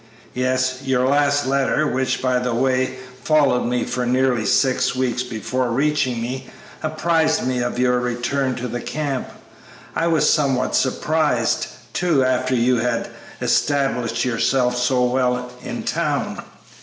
"Yes, your last letter, which, by the way, followed me for nearly six weeks before reaching me, apprised me of your return to the camp. I was somewhat surprised, too, after you had established yourself so well in town."